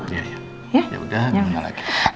ya udah gimana lagi